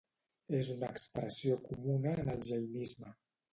És una expressió comuna en el jainisme.